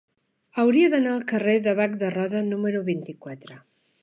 Hauria d'anar al carrer de Bac de Roda número vint-i-quatre.